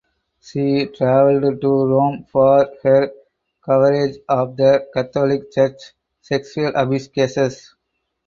She traveled to Rome for her coverage of the Catholic Church sexual abuse cases.